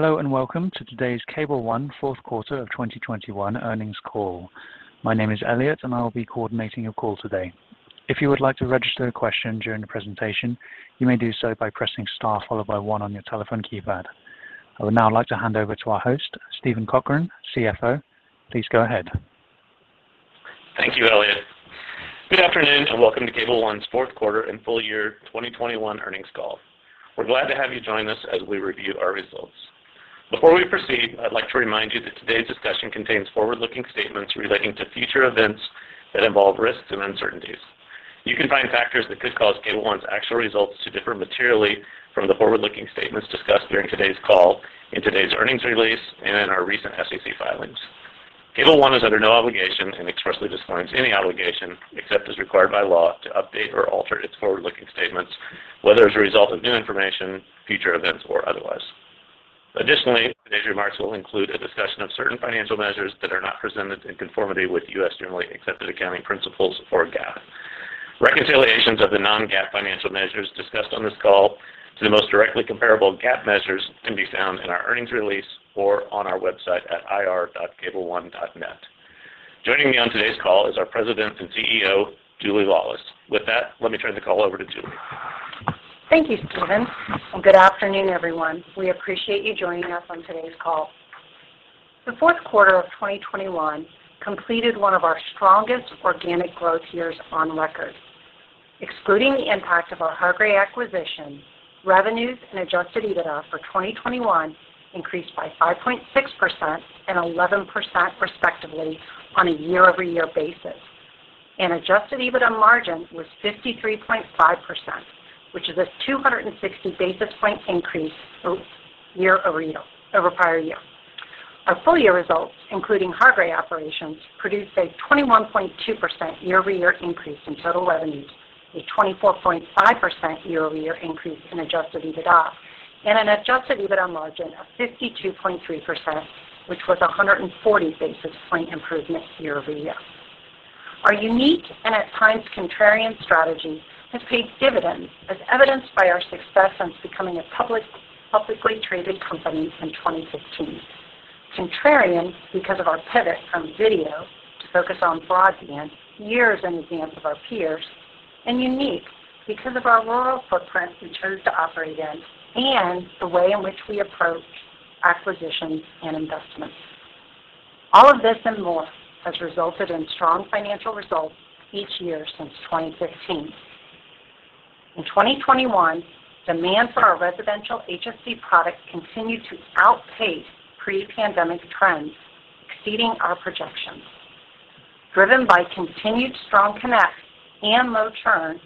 Hello, and welcome to today's Cable One fourth quarter of 2021 earnings call. My name is Elliot, and I'll be coordinating your call today. If you would like to register a question during the presentation, you may do so by pressing star followed by one on your telephone keypad. I would now like to hand over to our host, Steven Cochran, CFO. Please go ahead. Thank you, Elliot. Good afternoon, and welcome to Cable One's fourth quarter and full year 2021 earnings call. We're glad to have you join us as we review our results. Before we proceed, I'd like to remind you that today's discussion contains forward-looking statements relating to future events that involve risks and uncertainties. You can find factors that could cause Cable One's actual results to differ materially from the forward-looking statements discussed during today's call in today's earnings release and in our recent SEC filings. Cable One is under no obligation and expressly disclaims any obligation, except as required by law to update or alter its forward-looking statements, whether as a result of new information, future events, or otherwise. Additionally, today's remarks will include a discussion of certain financial measures that are not presented in conformity with U.S. generally accepted accounting principles or GAAP. Reconciliations of the non-GAAP financial measures discussed on this call to the most directly comparable GAAP measures can be found in our earnings release or on our website at ir.cableone.net. Joining me on today's call is our President and CEO, Julie Laulis. With that, let me turn the call over to Julie. Thank you, Steven, and good afternoon, everyone. We appreciate you joining us on today's call. The fourth quarter of 2021 completed one of our strongest organic growth years on record. Excluding the impact of our Hargray acquisition, revenues and adjusted EBITDA for 2021 increased by 5.6% and 11% respectively on a year-over-year basis. Adjusted EBITDA margin was 53.5%, which is a 260 basis point increase year over year, over prior year. Our full year results, including Hargray operations, produced a 21.2% year-over-year increase in total revenues, a 24.5% year-over-year increase in adjusted EBITDA and an adjusted EBITDA margin of 52.3%, which was a 140 basis point improvement year over year. Our unique, and at times, contrarian strategy has paid dividends as evidenced by our success since becoming a public, publicly traded company in 2016. Contrarian because of our pivot from video to focus on broadband years in advance of our peers. Unique because of our rural footprint we chose to operate in and the way in which we approach acquisitions and investments. All of this and more has resulted in strong financial results each year since 2015. In 2021, demand for our residential HSD product continued to outpace pre-pandemic trends, exceeding our projections. Driven by continued strong connect and low churn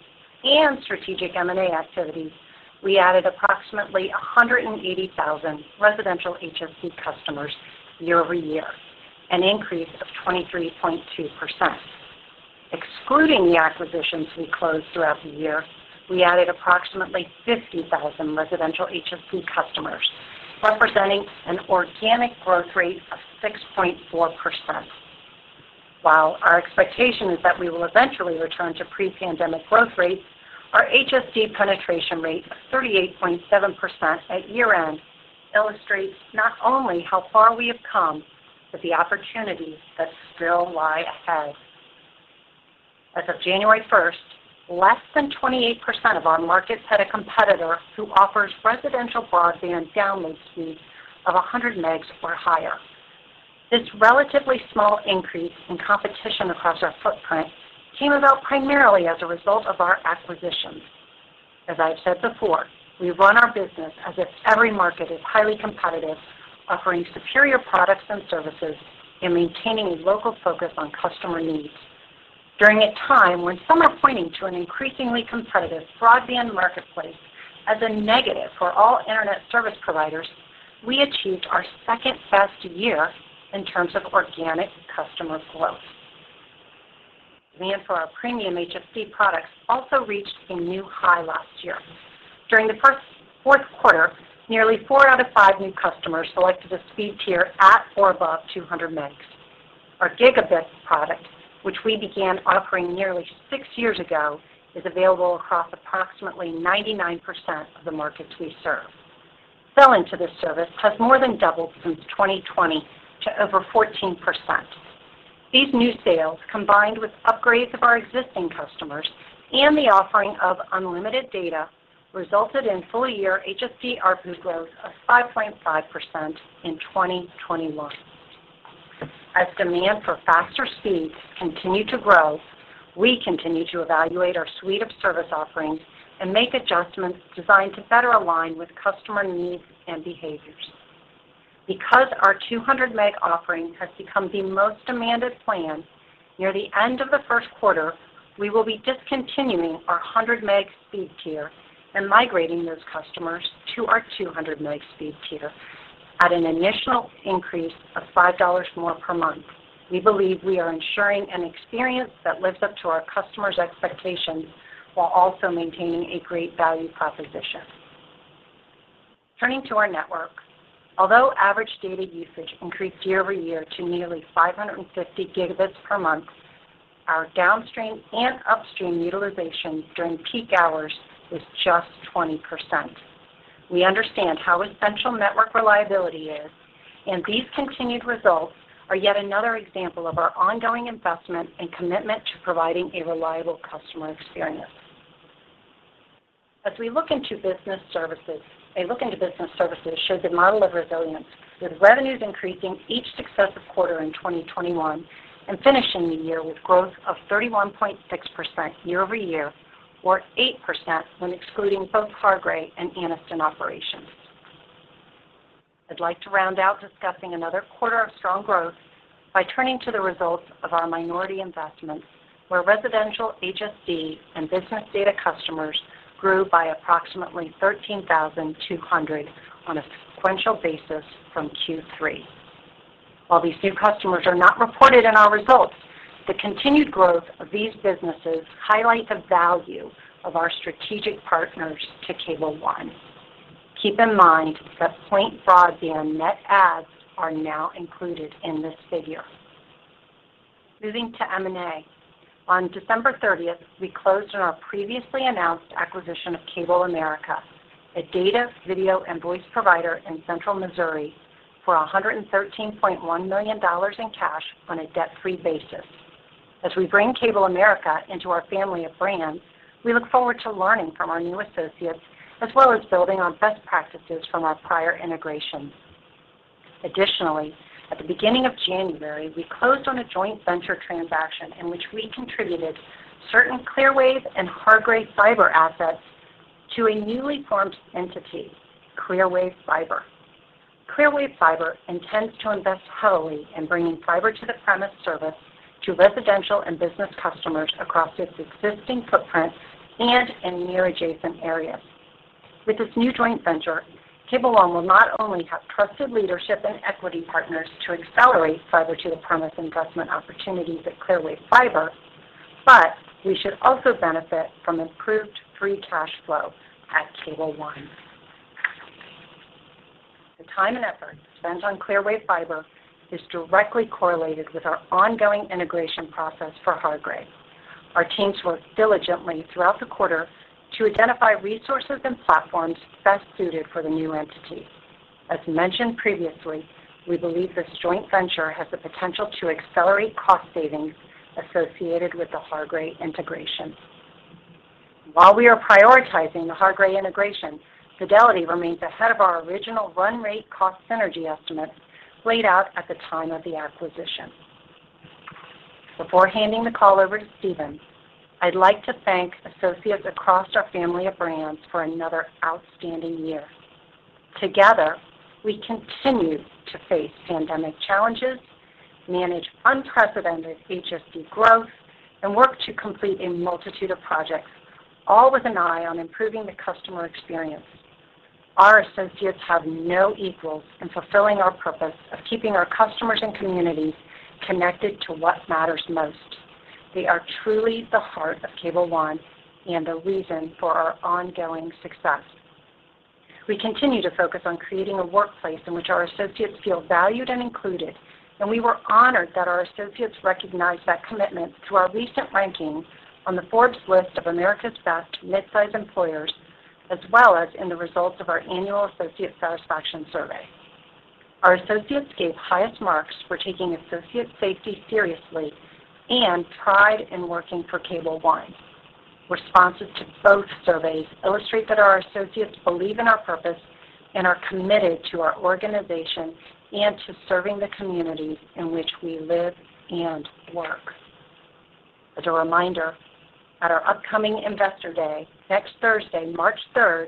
and strategic M&A activity, we added approximately 180,000 residential HSD customers year over year, an increase of 23.2%. Excluding the acquisitions we closed throughout the year, we added approximately 50,000 residential HSD customers, representing an organic growth rate of 6.4%. While our expectation is that we will eventually return to pre-pandemic growth rates, our HSD penetration rate of 38.7% at year-end illustrates not only how far we have come, but the opportunities that still lie ahead. As of January 1, less than 28% of our markets had a competitor who offers residential broadband download speeds of 100 Mbps or higher. This relatively small increase in competition across our footprint came about primarily as a result of our acquisitions. As I've said before, we run our business as if every market is highly competitive, offering superior products and services and maintaining a local focus on customer needs. During a time when some are pointing to an increasingly competitive broadband marketplace as a negative for all Internet service providers, we achieved our second-fastest year in terms of organic customer growth. Demand for our premium HSD products also reached a new high last year. During the fourth quarter, nearly four out of five new customers selected a speed tier at or above 200 MB. Our Gb product, which we began offering nearly six years ago, is available across approximately 99% of the markets we serve. Sell into this service has more than doubled since 2020 to over 14%. These new sales, combined with upgrades of our existing customers and the offering of unlimited data, resulted in full-year HSD ARPU growth of 5.5% in 2021. As demand for faster speeds continues to grow, we continue to evaluate our suite of service offerings and make adjustments designed to better align with customer needs and behaviors. Because our 200 MB offering has become the most demanded plan, near the end of the first quarter, we will be discontinuing our 100 MB speed tier and migrating those customers to our 200 MB speed tier at an initial increase of $5 more per month. We believe we are ensuring an experience that lives up to our customers' expectations while also maintaining a great value proposition. Turning to our network, although average data usage increased year-over-year to nearly 550 Gb per month. Our downstream and upstream utilization during peak hours is just 20%. We understand how essential network reliability is, and these continued results are yet another example of our ongoing investment and commitment to providing a reliable customer experience. As we look into business services, a look into business services shows a model of resilience, with revenues increasing each successive quarter in 2021 and finishing the year with growth of 31.6% year over year or 8% when excluding both Hargray and Anniston operations. I'd like to round out discussing another quarter of strong growth by turning to the results of our minority investments, where residential HSD and business data customers grew by approximately 13,200 on a sequential basis from Q3. While these new customers are not reported in our results, the continued growth of these businesses highlight the value of our strategic partners to Cable One. Keep in mind that Point Broadband net adds are now included in this figure. Moving to M&A. On December 30th, we closed on our previously announced acquisition of CableAmerica, a data, video, and voice provider in central Missouri, for $113.1 million in cash on a debt-free basis. As we bring CableAmerica into our family of brands, we look forward to learning from our new associates, as well as building on best practices from our prior integrations. Additionally, at the beginning of January, we closed on a joint venture transaction in which we contributed certain Clearwave and Hargray fiber assets to a newly formed entity, Clearwave Fiber. Clearwave Fiber intends to invest heavily in bringing fiber to the premise service to residential and business customers across its existing footprint and in near adjacent areas. With this new joint venture, Cable One will not only have trusted leadership and equity partners to accelerate fiber to the premise investment opportunities at Clearwave Fiber, but we should also benefit from improved free cash flow at Cable One. The time and effort spent on Clearwave Fiber is directly correlated with our ongoing integration process for Hargray. Our teams worked diligently throughout the quarter to identify resources and platforms best suited for the new entity. As mentioned previously, we believe this joint venture has the potential to accelerate cost savings associated with the Hargray integration. While we are prioritizing the Hargray integration, Fidelity remains ahead of our original run rate cost synergy estimates laid out at the time of the acquisition. Before handing the call over to Steven, I'd like to thank associates across our family of brands for another outstanding year. Together, we continued to face pandemic challenges, manage unprecedented HSD growth, and work to complete a multitude of projects, all with an eye on improving the customer experience. Our associates have no equals in fulfilling our purpose of keeping our customers and communities connected to what matters most. They are truly the heart of Cable One and the reason for our ongoing success. We continue to focus on creating a workplace in which our associates feel valued and included, and we were honored that our associates recognized that commitment to our recent ranking on the Forbes list of America's Best Mid-sized Employers, as well as in the results of our annual associate satisfaction survey. Our associates gave highest marks for taking associate safety seriously and pride in working for Cable One. Responses to both surveys illustrate that our associates believe in our purpose and are committed to our organization and to serving the communities in which we live and work. As a reminder, at our upcoming Investor Day, next Thursday, March 3rd,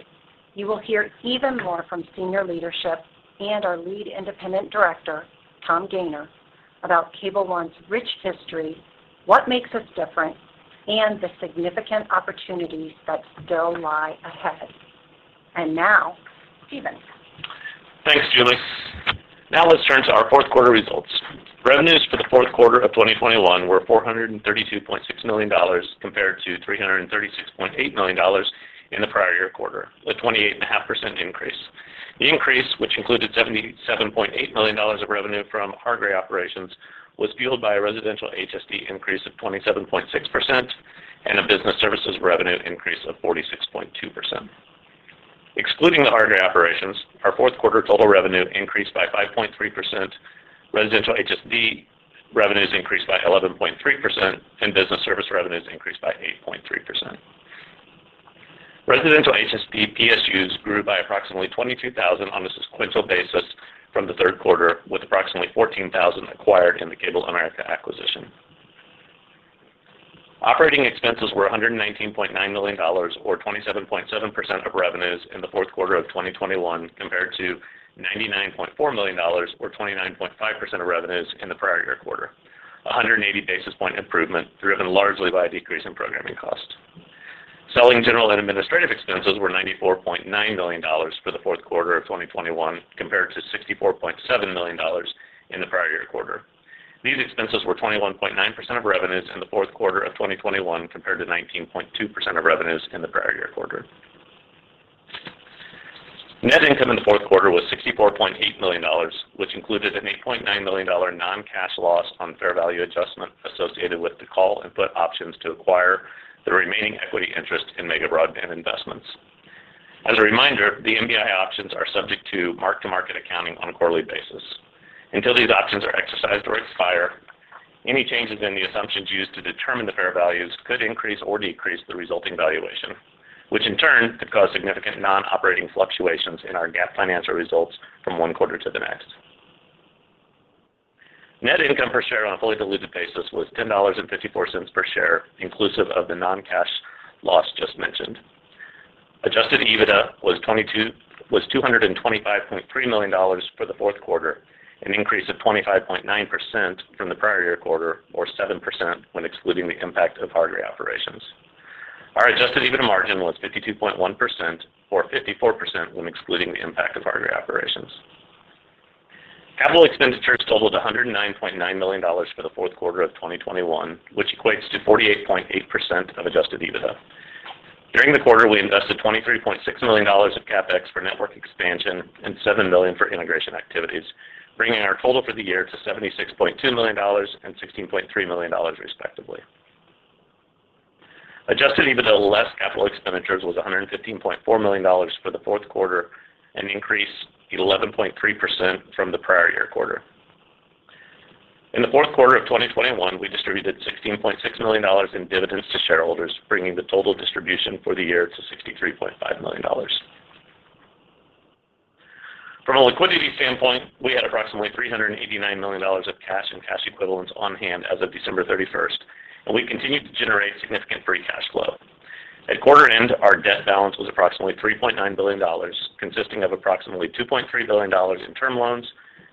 you will hear even more from senior leadership and our Lead Independent Director, Tom Gayner, about Cable One's rich history, what makes us different, and the significant opportunities that still lie ahead. Now, Steven. Thanks, Julie. Now let's turn to our fourth quarter results. Revenues for the fourth quarter of 2021 were $432.6 million compared to $336.8 million in the prior year quarter, a 28.5% increase. The increase, which included $77.8 million of revenue from Hargray operations, was fueled by a residential HSD increase of 27.6% and a business services revenue increase of 46.2%. Excluding the Hargray operations, our fourth quarter total revenue increased by 5.3%, residential HSD revenues increased by 11.3%, and business service revenues increased by 8.3%. Residential HSD PSUs grew by approximately 22,000 on a sequential basis from the third quarter, with approximately 14,000 acquired in the CableAmerica acquisition. Operating expenses were $119.9 million or 27.7% of revenues in the fourth quarter of 2021 compared to $99.4 million or 29.5% of revenues in the prior year quarter, a 180 basis point improvement driven largely by a decrease in programming costs. Selling, general, and administrative expenses were $94.9 million for the fourth quarter of 2021 compared to $64.7 million in the prior year quarter. These expenses were 21.9% of revenues in the fourth quarter of 2021 compared to 19.2% of revenues in the prior year quarter. Net income in the fourth quarter was $64.8 million, which included an $8.9 million non-cash loss on fair value adjustment associated with the call and put options to acquire the remaining equity interest in MBI Broadband Investments. As a reminder, the MBI options are subject to mark-to-market accounting on a quarterly basis. Until these options are exercised or expire, any changes in the assumptions used to determine the fair values could increase or decrease the resulting valuation, which in turn could cause significant non-operating fluctuations in our GAAP financial results from one quarter to the next. Net income per share on a fully diluted basis was $10.54 per share, inclusive of the non-cash loss just mentioned. Adjusted EBITDA was $225.3 million for the fourth quarter, an increase of 25.9% from the prior year quarter, or 7% when excluding the impact of Hargray operations. Our adjusted EBITDA margin was 52.1%, or 54% when excluding the impact of Hargray operations. Capital expenditures totaled $109.9 million for the fourth quarter of 2021, which equates to 48.8% of adjusted EBITDA. During the quarter, we invested $23.6 million of CapEx for network expansion and $7 million for integration activities, bringing our total for the year to $76.2 million and $16.3 million, respectively. Adjusted EBITDA less capital expenditures was $115.4 million for the fourth quarter, an increase 11.3% from the prior year quarter. In the fourth quarter of 2021, we distributed $16.6 million in dividends to shareholders, bringing the total distribution for the year to $63.5 million. From a liquidity standpoint, we had approximately $389 million of cash and cash equivalents on hand as of December 31st, and we continued to generate significant free cash flow. At quarter end, our debt balance was approximately $3.9 billion, consisting of approximately $2.3 billion in term loans,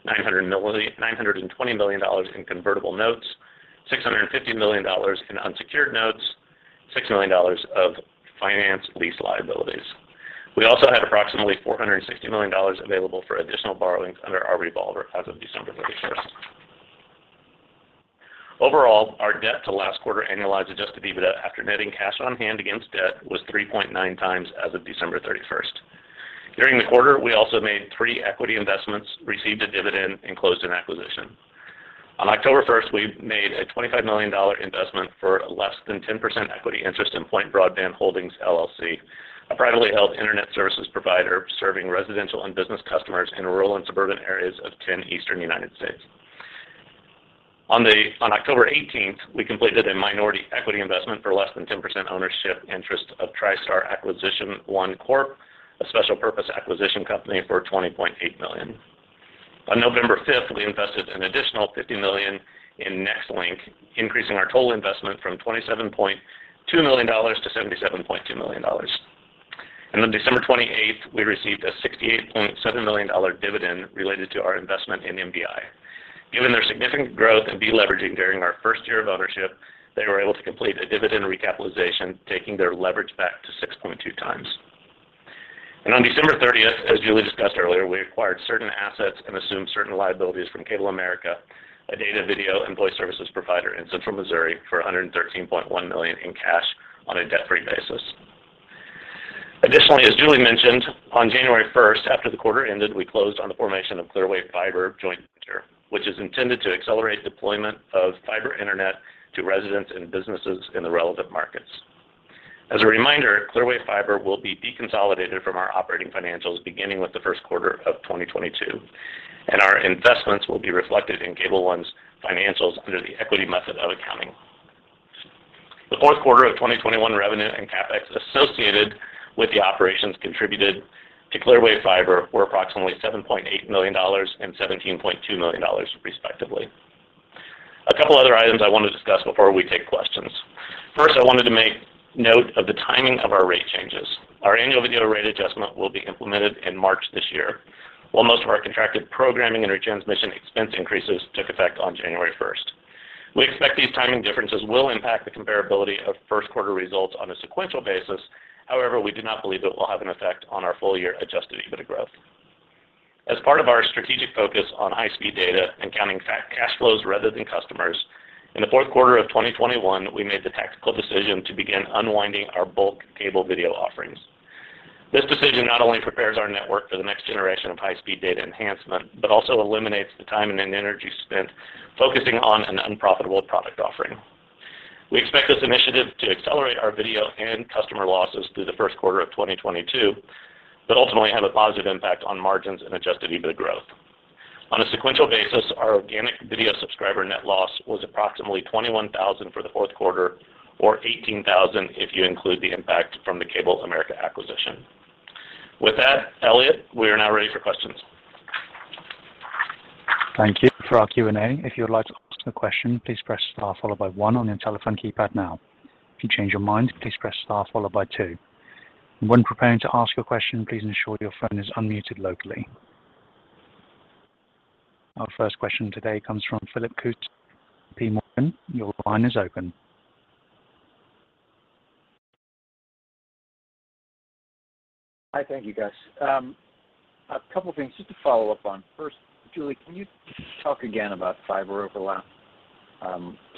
$920 million in convertible notes, $650 million in unsecured notes, $6 million of finance lease liabilities. We also had approximately $460 million available for additional borrowings under our revolver as of December 31st. Overall, our debt to LQA adjusted EBITDA after netting cash on hand against debt was 3.9 times as of December 31st. During the quarter, we also made three equity investments, received a dividend, and closed an acquisition. On October 1st, we made a $25 million investment for a less than 10% equity interest in Point Broadband Holdings, LLC, a privately held internet services provider serving residential and business customers in rural and suburban areas of 10 eastern states of the United States. On October 18th, we completed a minority equity investment for less than 10% ownership interest of Tristar Acquisition I Corp., a special purpose acquisition company for $20.8 million. On November 5th, we invested an additional $50 million in Nextlink, increasing our total investment from $27.2 million to $77.2 million. On December 28th, we received a $68.7 million dividend related to our investment in MBI. Given their significant growth and deleveraging during our first year of ownership, they were able to complete a dividend recapitalization, taking their leverage back to 6.2 times. On December 30th, as Julie discussed earlier, we acquired certain assets and assumed certain liabilities from CableAmerica, a data video and voice services provider in Central Missouri, for $113.1 million in cash on a debt-free basis. Additionally, as Julie mentioned, on January 1st, after the quarter ended, we closed on the formation of Clearwave Fiber joint venture, which is intended to accelerate deployment of fiber internet to residents and businesses in the relevant markets. As a reminder, Clearwave Fiber will be deconsolidated from our operating financials beginning with the first quarter of 2022, and our investments will be reflected in Cable One's financials under the equity method of accounting. The fourth quarter of 2021 revenue and CapEx associated with the operations contributed to Clearwave Fiber were approximately $7.8 million and $17.2 million, respectively. A couple other items I want to discuss before we take questions. First, I wanted to make note of the timing of our rate changes. Our annual video rate adjustment will be implemented in March this year, while most of our contracted programming and retransmission expense increases took effect on January 1st. We expect these timing differences will impact the comparability of first quarter results on a sequential basis. However, we do not believe it will have an effect on our full year adjusted EBITDA growth. As part of our strategic focus on high speed data and counting cash flows rather than customers, in the fourth quarter of 2021, we made the tactical decision to begin unwinding our bulk cable video offerings. This decision not only prepares our network for the next generation of high speed data enhancement, but also eliminates the time and energy spent focusing on an unprofitable product offering. We expect this initiative to accelerate our video and customer losses through the first quarter of 2022, but ultimately have a positive impact on margins and adjusted EBITDA growth. On a sequential basis, our organic video subscriber net loss was approximately 21,000 for the fourth quarter, or 18,000 if you include the impact from the CableAmerica acquisition. With that, Elliot, we are now ready for questions. Thank you. For our Q&A, if you would like to ask a question, please press star followed by one on your telephone keypad now. If you change your mind, please press star followed by two. When preparing to ask your question, please ensure your phone is unmuted locally. Our first question today comes from Phil Cusick. Your line is open. Hi. Thank you, guys. A couple of things just to follow up on. First, Julie, can you talk again about fiber overlap?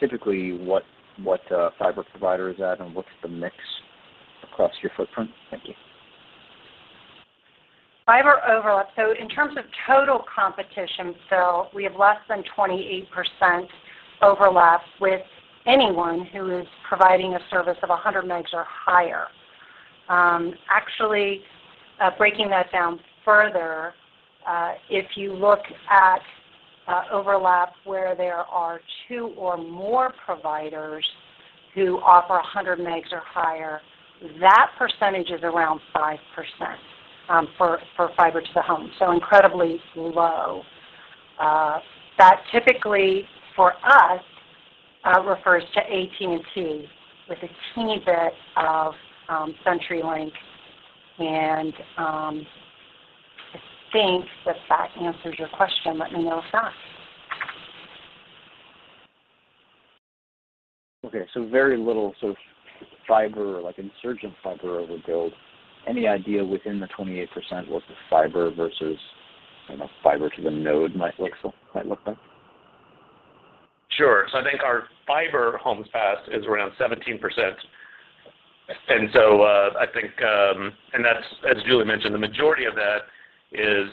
Typically, what fiber provider is that and what's the mix across your footprint? Thank you. Fiber overlap. In terms of total competition, Phil, we have less than 28% overlap with anyone who is providing a service of 100 MB or higher. Actually, breaking that down further, if you look at overlap where there are two or more providers who offer 100 MB or higher, that percentage is around 5% for fiber to the home. Incredibly low. That typically, for us, refers to AT&T with a teeny bit of CenturyLink, and I think that answers your question. Let me know if not. Okay. Very little sort of fiber or like insurgent fiber overbuild. Any idea within the 28% what the fiber versus, I don't know, fiber to the node might look like? Sure. I think our fiber homes passed is around 17%. That's, as Julie mentioned, the majority of that is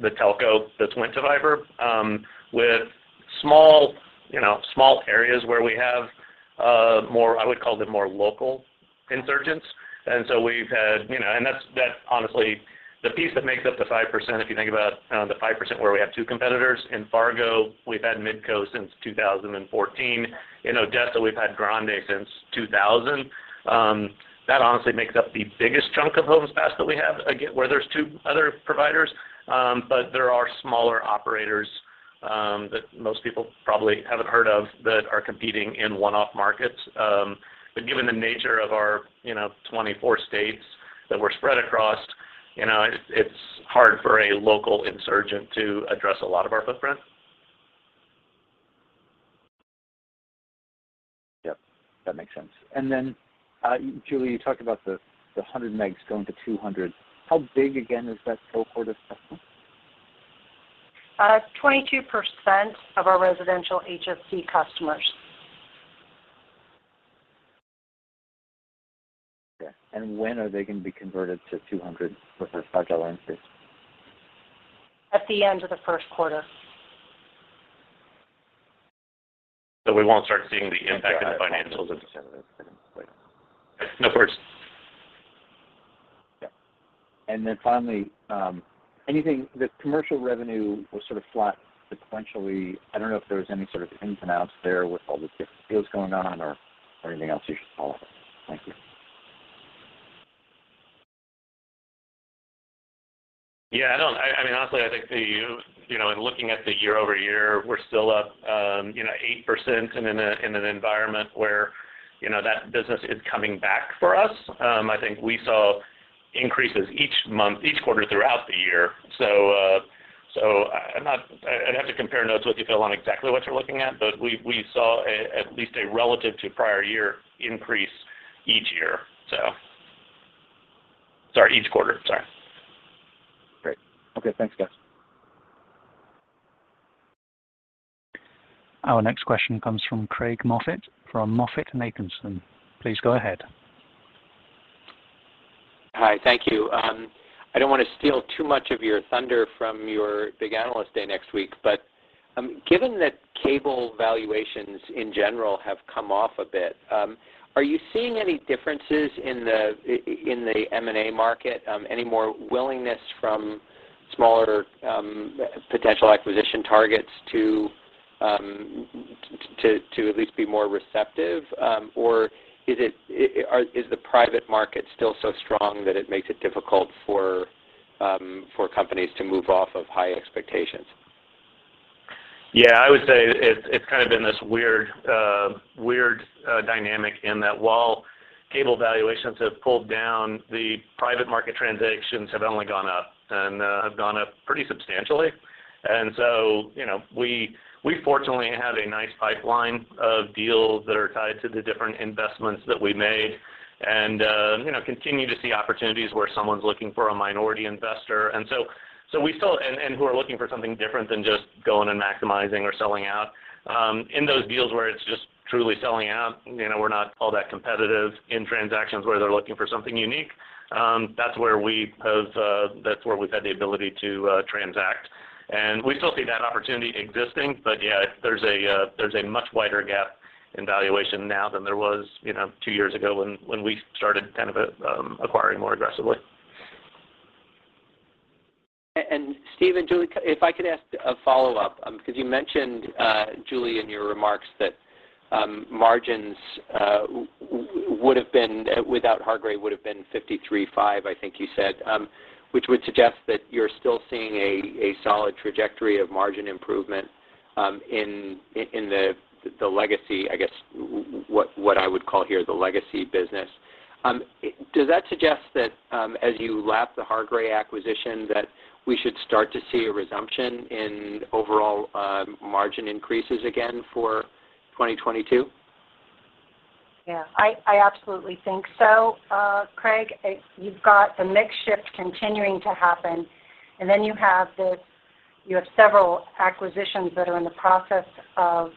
the telco that's went to fiber, with small, you know, small areas where we have more, I would call them, more local insurgents. That's honestly the piece that makes up the 5% if you think about the 5% where we have two competitors. In Fargo, we've had Midco since 2014. In Odessa, we've had Grande since 2000. That honestly makes up the biggest chunk of homes passed that we have where there's two other providers. But there are smaller operators that most people probably haven't heard of that are competing in one-off markets. Given the nature of our, you know, 24 states that we're spread across, you know, it's hard for a local insurgent to address a lot of our footprint. Yep, that makes sense. Then, Julie, you talked about the 100 MB going to 200. How big again is that cohort of customers? 22% of our residential HFC customers. Okay. When are they gonna be converted to 200 with their 5-Gb LAN speeds? At the end of the first quarter. We won't start seeing the impact in the financials. Of course. Finally, anything, the commercial revenue was sort of flat sequentially. I don't know if there was any sort of ins and outs there with all the different deals going on or anything else you should call out. Thank you. Yeah, I mean, honestly, I think you know, in looking at the year-over-year, we're still up you know, 8% and in an environment where you know, that business is coming back for us. I think we saw increases each month, each quarter throughout the year. I'd have to compare notes with you, Phil, on exactly what you're looking at, but we saw at least a relative to prior year increase each year, so. Sorry, each quarter. Sorry. Great. Okay, thanks guys. Our next question comes from Craig Moffett from MoffettNathanson. Please go ahead. Hi. Thank you. I don't wanna steal too much of your thunder from your big analyst day next week, but given that cable valuations in general have come off a bit, are you seeing any differences in the M&A market? Any more willingness from smaller potential acquisition targets to at least be more receptive? Or is the private market still so strong that it makes it difficult for companies to move off of high expectations? Yeah, I would say it's kind of been this weird dynamic in that while cable valuations have pulled down, the private market transactions have only gone up and have gone up pretty substantially. You know, we fortunately have a nice pipeline of deals that are tied to the different investments that we made and you know continue to see opportunities where someone's looking for a minority investor. We still see opportunities where someone is looking for something different than just going and maximizing or selling out. In those deals where it's just truly selling out, you know, we're not all that competitive in transactions where they're looking for something unique. That's where we've had the ability to transact. We still see that opportunity existing. Yeah, there's a much wider gap in valuation now than there was, you know, two years ago when we started kind of acquiring more aggressively. Steve and Julie, if I could ask a follow-up, 'cause you mentioned, Julie, in your remarks that, margins would have been, without Hargray, 53.5%, I think you said, which would suggest that you're still seeing a solid trajectory of margin improvement in the legacy, I guess what I would call here the legacy business. Does that suggest that, as you lap the Hargray acquisition, that we should start to see a resumption in overall margin increases again for 2022? Yeah, I absolutely think so, Craig. You've got the mix shift continuing to happen, and then you have several acquisitions that are in the process of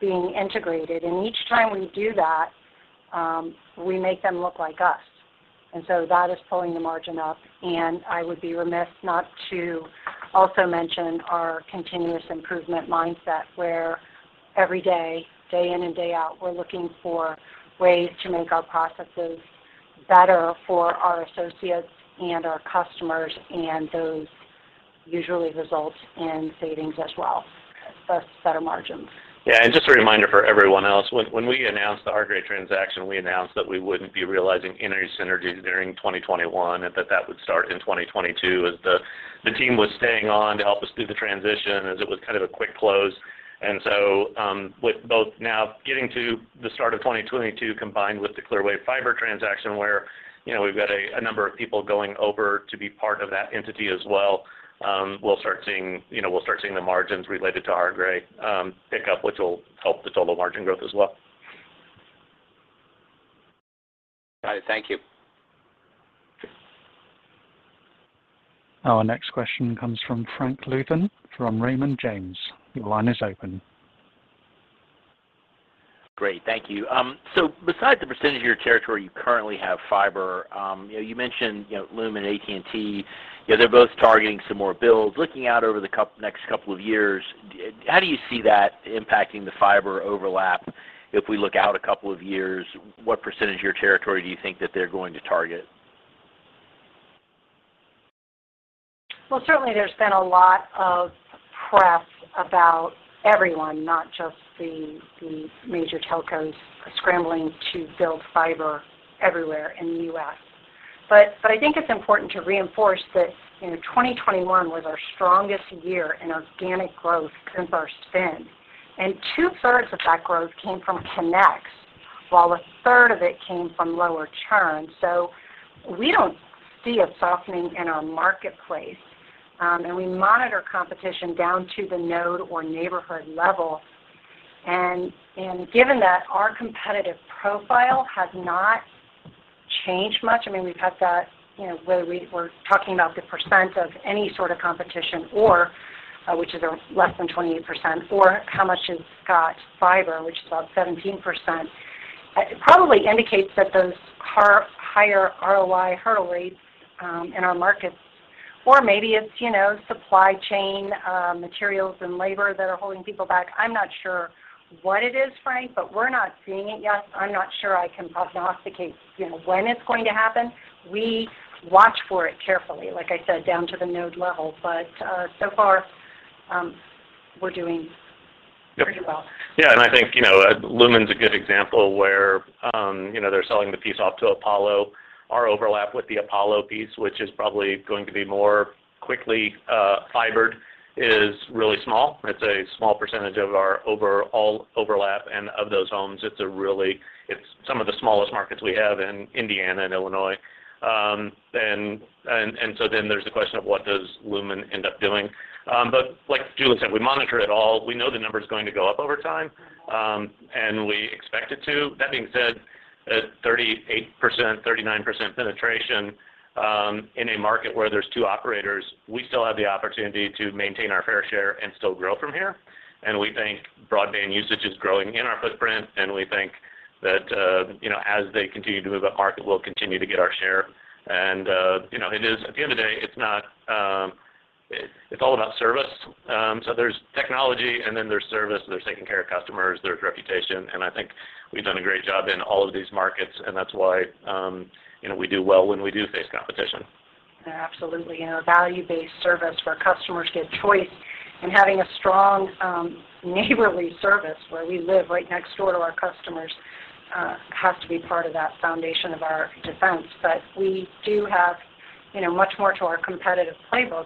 being integrated. Each time we do that, we make them look like us. That is pulling the margin up. I would be remiss not to also mention our continuous improvement mindset, where every day in and day out, we're looking for ways to make our processes better for our associates and our customers, and those usually result in savings as well. Thus, better margins. Yeah. Just a reminder for everyone else, when we announced the Hargray transaction, we announced that we wouldn't be realizing any synergies during 2021, and that would start in 2022, as the team was staying on to help us through the transition, as it was kind of a quick close. With both now getting to the start of 2022, combined with the Clearwave Fiber transaction, where you know we've got a number of people going over to be part of that entity as well, we'll start seeing you know the margins related to Hargray pick up, which will help the total margin growth as well. Got it. Thank you. Our next question comes from Frank Louthan from Raymond James. Your line is open. Great. Thank you. So besides the percentage of your territory you currently have fiber, you know, you mentioned, you know, Lumen, AT&T, you know, they're both targeting some more builds. Looking out over the next couple of years, how do you see that impacting the fiber overlap if we look out a couple of years? What percentage of your territory do you think that they're going to target? Well, certainly there's been a lot of press about everyone, not just the major telcos scrambling to build fiber everywhere in the U.S. I think it's important to reinforce that, you know, 2021 was our strongest year in organic growth since our spin, and two-thirds of that growth came from connects, while a third of it came from lower churn. We don't see a softening in our marketplace, and we monitor competition down to the node or neighborhood level. Given that our competitive profile has not changed much, I mean, we've had that, you know, whether we're talking about the percent of any sort of competition or which is less than 28%, or how much has got fiber, which is about 17%. It probably indicates that higher ROI hurdle rates in our markets, or maybe it's, you know, supply chain materials and labor that are holding people back. I'm not sure what it is, Frank, but we're not seeing it yet. I'm not sure I can prognosticate, you know, when it's going to happen. We watch for it carefully, like I said, down to the node level. So far, we're doing pretty well. Yeah. I think, you know, Lumen's a good example where, you know, they're selling the piece off to Apollo. Our overlap with the Apollo piece, which is probably going to be more quickly fibered, is really small. It's a small percentage of our overall overlap and of those homes. It's really some of the smallest markets we have in Indiana and Illinois. There's the question of what does Lumen end up doing? Like Julie said, we monitor it all. We know the number's going to go up over time, and we expect it to. That being said, at 38%, 39% penetration, in a market where there's two operators, we still have the opportunity to maintain our fair share and still grow from here. We think broadband usage is growing in our footprint, and we think that, you know, as they continue to move upmarket, we'll continue to get our share. At the end of the day, it's all about service. So there's technology, and then there's service, there's taking care of customers, there's reputation, and I think we've done a great job in all of these markets, and that's why we do well when we do face competition. Yeah, absolutely. You know, value-based service where customers get choice and having a strong, neighborly service where we live right next door to our customers, has to be part of that foundation of our defense. We do have, you know, much more to our competitive playbook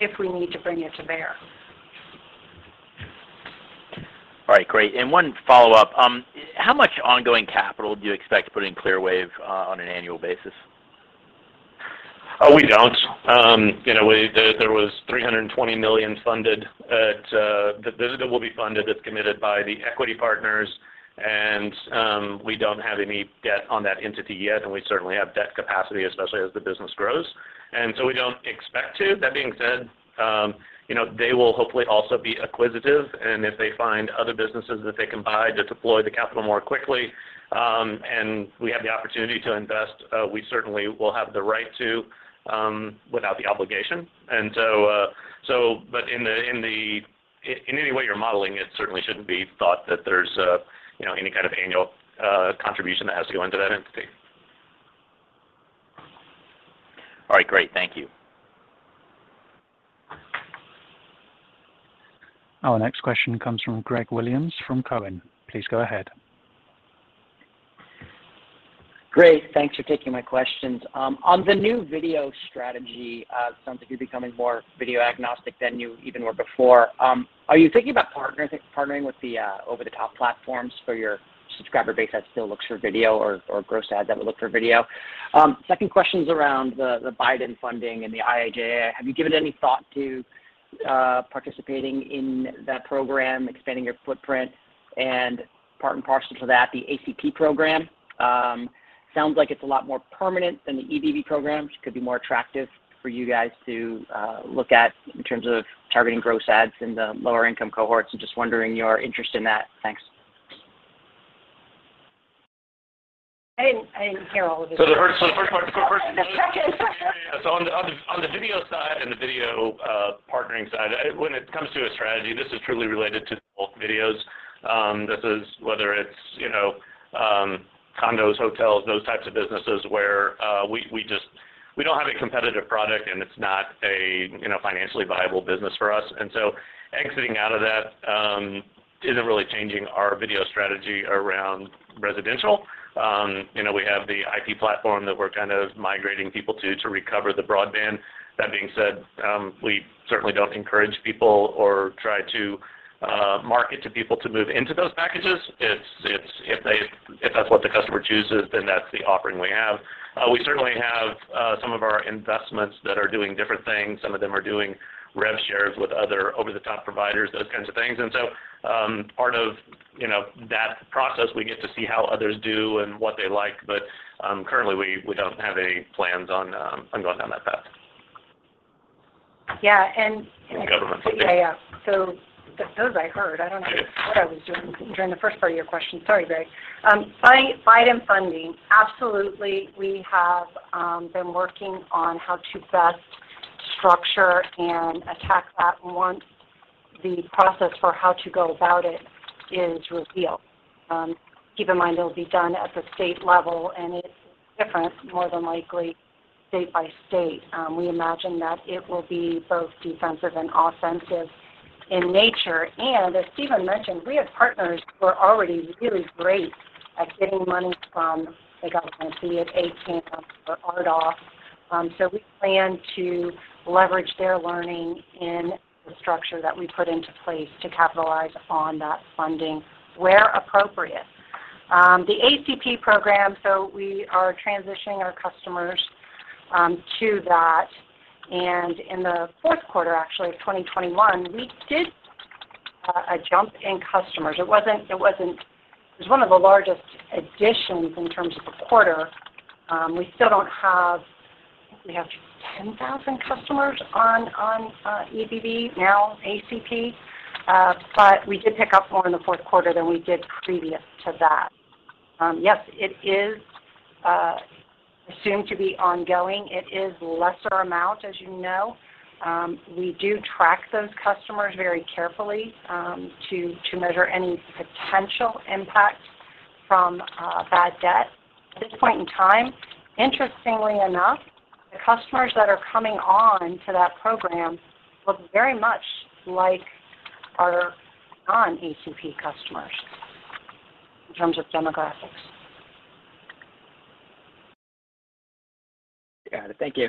if we need to bring it to bear. All right. Great. One follow-up. How much ongoing capital do you expect to put in Clearwave, on an annual basis? We don't. You know, there was $320 million funded at that will be funded, that's committed by the equity partners, and we don't have any debt on that entity yet, and we certainly have debt capacity, especially as the business grows. We don't expect to. That being said, you know, they will hopefully also be acquisitive, and if they find other businesses that they can buy to deploy the capital more quickly, and we have the opportunity to invest, we certainly will have the right to without the obligation. But in any way you're modeling it, certainly shouldn't be thought that there's you know, any kind of annual contribution that has to go into that entity. All right. Great. Thank you. Our next question comes from Greg Williams from Cowen. Please go ahead. Great. Thanks for taking my questions. On the new video strategy, it sounds like you're becoming more video agnostic than you even were before. Are you thinking about partnering with the over-the-top platforms for your subscriber base that still looks for video or gross adds that would look for video? Second question's around the Biden funding and the IIJA. Have you given any thought to participating in that program, expanding your footprint? Part and parcel to that, the ACP program sounds like it's a lot more permanent than the EBB program, which could be more attractive for you guys to look at in terms of targeting gross adds in the lower income cohorts. I'm just wondering your interest in that. Thanks. I didn't hear all of it. The first part The second part. Yeah, yeah. On the video side and the video partnering side, when it comes to a strategy, this is truly related to both videos. This is whether it's, you know, condos, hotels, those types of businesses where we don't have a competitive product, and it's not a, you know, financially viable business for us. Exiting out of that isn't really changing our video strategy around residential. You know, we have the IP platform that we're kind of migrating people to to recover the broadband. That being said, we certainly don't encourage people or try to market to people to move into those packages. If that's what the customer chooses, then that's the offering we have. We certainly have some of our investments that are doing different things. Some of them are doing rev shares with other over-the-top providers, those kinds of things. Part of, you know, that process, we get to see how others do and what they like. Currently we don't have any plans on going down that path. Yeah. The government- Yeah, yeah. So those I heard. I don't know what I was doing during the first part of your question. Sorry, Greg. Biden funding, absolutely we have been working on how to best structure and attack that once the process for how to go about it is revealed. Keep in mind it'll be done at the state level, and it's different more than likely state by state. We imagine that it will be both defensive and offensive in nature. As Steven mentioned, we have partners who are already really great at getting money from the government, be it ACAM or RDOF. We plan to leverage their learning in the structure that we put into place to capitalize on that funding where appropriate. The ACP program. We are transitioning our customers to that. In the fourth quarter, actually, of 2021, we did a jump in customers. It was one of the largest additions in terms of the quarter. We still don't have, I think, 10,000 customers on EBB, now ACP. But we did pick up more in the fourth quarter than we did previous to that. Yes, it is assumed to be ongoing. It is lesser amount, as you know. We do track those customers very carefully to measure any potential impact from bad debt. At this point in time, interestingly enough, the customers that are coming on to that program look very much like our non-ACP customers in terms of demographics. Got it. Thank you.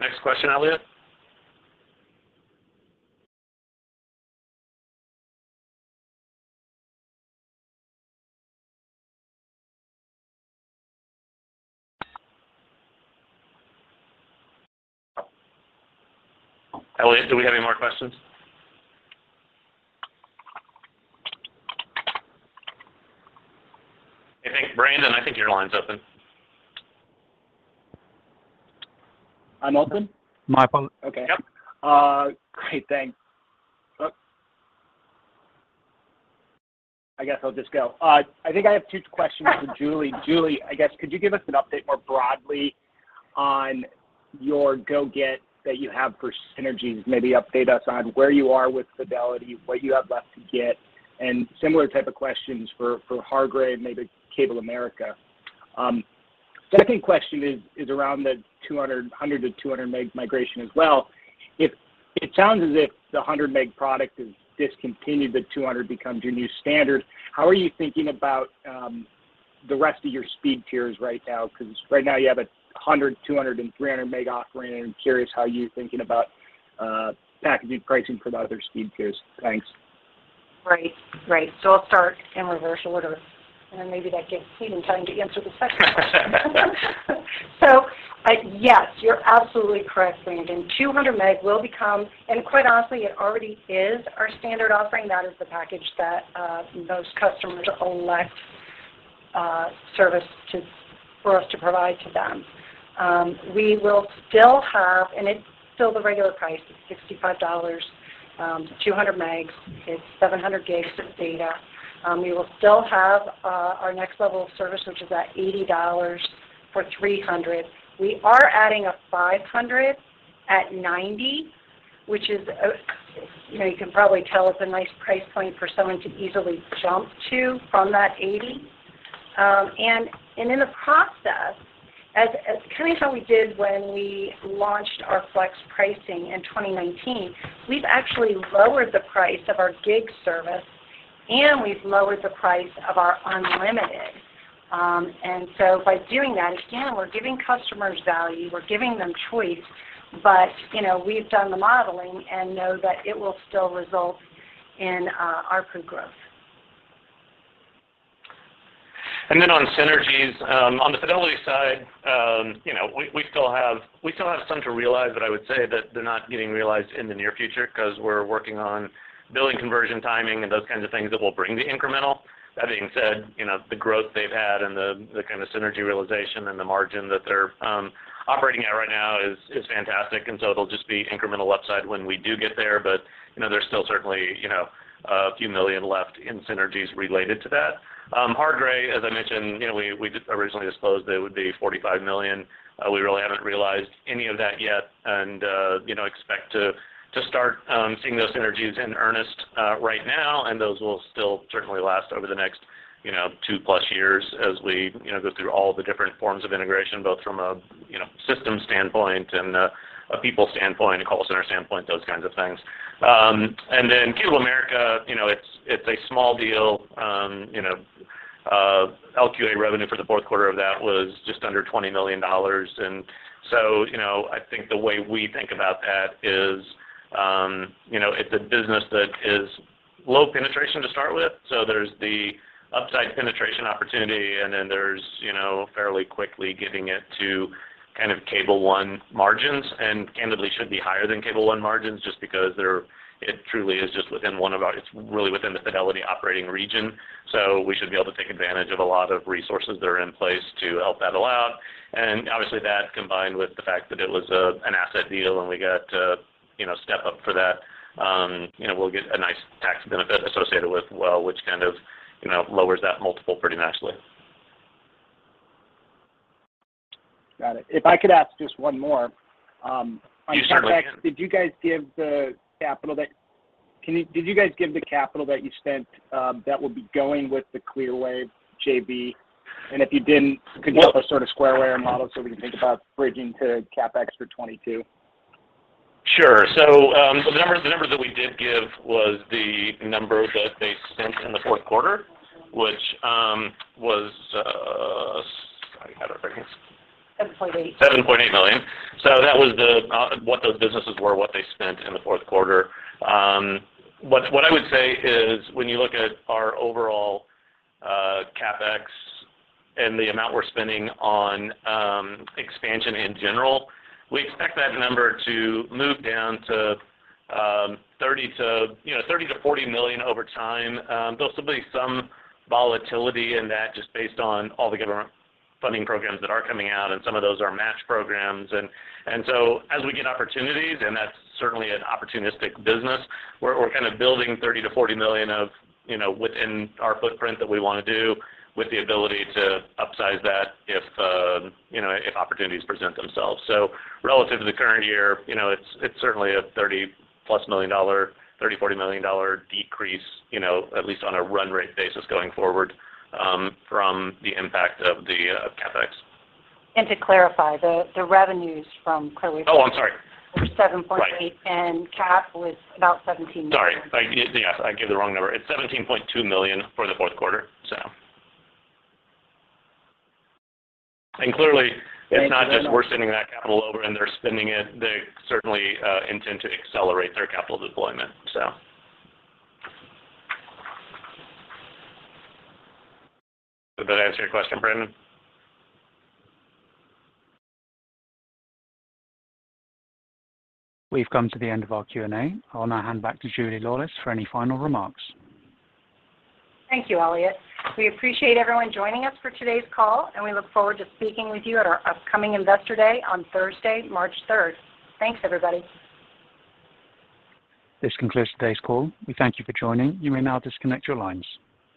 Next question, Elliot. Elliot, do we have any more questions? I think, Brandon, I think your line's open. I'm open? My phone- Okay. Yep. I think I have two questions for Julie. Julie, I guess, could you give us an update more broadly on your goal that you have for synergies, maybe update us on where you are with Fidelity, what you have left to get, and similar type of questions for Hargray, maybe CableAmerica. Second question is around the 100 to 200 MB migration as well. It sounds as if the 100 MB product is discontinued, the 200 becomes your new standard. How are you thinking about the rest of your speed tiers right now? Because right now you have a 100, 200, and 300 MB offering, and I'm curious how you're thinking about packaging pricing for the other speed tiers. Thanks. Right. I'll start in reverse order, and then maybe that gives Steven time to answer the second question. Yes, you're absolutely correct, Brandon. 200 MB will become, and quite honestly it already is our standard offering, that is the package that most customers elect service to for us to provide to them. We will still have, and it's still the regular price, it's $65, 200 MB. It's 700 Gb of data. We will still have our next level of service, which is at $80 for 300. We are adding a 500 at $90, which is, you know, you can probably tell it's a nice price point for someone to easily jump to from that $80. In the process, as kind of how we did when we launched our flex pricing in 2019, we've actually lowered the price of our Gb service. We've lowered the price of our unlimited. By doing that, again, we're giving customers value, we're giving them choice, but you know, we've done the modeling and know that it will still result in ARPU growth. On synergies, on the Fidelity side, you know, we still have some to realize, but I would say that they're not getting realized in the near future because we're working on billing conversion timing and those kinds of things that will bring the incremental. That being said, you know, the growth they've had and the kind of synergy realization and the margin that they're operating at right now is fantastic. It'll just be incremental upside when we do get there. You know, there's still certainly, you know, $a few million left in synergies related to that. Hargray, as I mentioned, you know, we just originally disclosed it would be $45 million. We really haven't realized any of that yet and you know expect to start seeing those synergies in earnest right now and those will still certainly last over the next you know 2+ years as we you know go through all the different forms of integration both from a you know systems standpoint and a people standpoint a call center standpoint those kinds of things. CableAmerica you know it's a small deal you know LQA revenue for the fourth quarter of that was just under $20 million. You know I think the way we think about that is you know it's a business that is low penetration to start with. There's the upside penetration opportunity, and then there's, you know, fairly quickly getting it to kind of Cable One margins, and candidly should be higher than Cable One margins just because it truly is just within one of our. It's really within the Fidelity operating region. We should be able to take advantage of a lot of resources that are in place to help that along. Obviously, that combined with the fact that it was an asset deal and we got to, you know, step up for that, you know, we'll get a nice tax benefit associated with which kind of, you know, lowers that multiple pretty nicely. Got it. If I could ask just one more. You certainly can. On CapEx, did you guys give the capital that you spent that would be going with the Clearwave JV? If you didn't, could you give a sort of square layer model so we can think about bridging to CapEx for 2022? Sure. The numbers that we did give was the number that they spent in the fourth quarter, which was. I got it right here. $7.8. $7.8 million. That was what those businesses were, what they spent in the fourth quarter. What I would say is when you look at our overall CapEx and the amount we're spending on expansion in general, we expect that number to move down to $30 million-$40 million over time. There'll still be some volatility in that just based on all the government funding programs that are coming out, and some of those are match programs. As we get opportunities, and that's certainly an opportunistic business, we're kind of building $30 million-$40 million within our footprint that we wanna do with the ability to upsize that if opportunities present themselves. Relative to the current year, you know, it's certainly a $30-plus million to $40 million decrease, you know, at least on a run rate basis going forward, from the impact of the CapEx. To clarify, the revenues from Clearwave- Oh, I'm sorry. We're $7.8. Right. CapEx was about $17 million. Sorry. Yes, I gave the wrong number. It's $17.2 million for the fourth quarter. Clearly, it's not just we're sending that capital over and they're spending it. They certainly intend to accelerate their capital deployment. Did that answer your question, Brandon? We've come to the end of our Q&A. I'll now hand back to Julie Laulis for any final remarks. Thank you, Elliot. We appreciate everyone joining us for today's call, and we look forward to speaking with you at our upcoming Investor Day on Thursday, March 3rd. Thanks, everybody. This concludes today's call. We thank you for joining. You may now disconnect your lines.